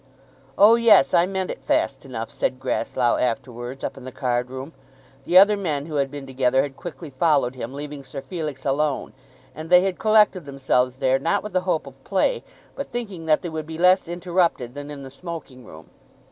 "Oh, yes, I meant it fast enough," said Grasslough afterwards up in the card room. The other men who had been together had quickly followed him, leaving Sir Felix alone, and they had collected themselves there not with the hope of play, but thinking that they would be less interrupted than in the smoking room.